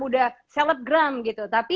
udah selebgram gitu tapi